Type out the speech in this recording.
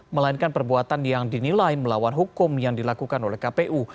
melainkan perbuatan yang dinilai melawan hukum yang dilakukan oleh kpu